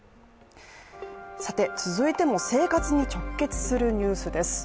続いても生活に直結するニュースです。